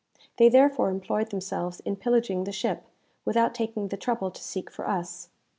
They therefore employed themselves in pillaging the ship, without taking the trouble to seek for us.